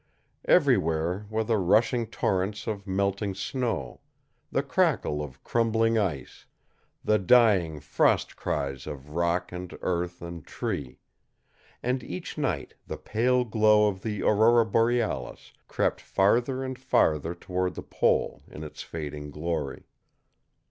Everywhere were the rushing torrents of melting snow, the crackle of crumbling ice, the dying frost cries of rock and earth and tree; and each night the pale glow of the aurora borealis crept farther and farther toward the pole in its fading glory.